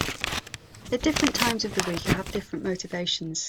At different times of the week I have different motivations.